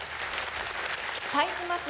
対します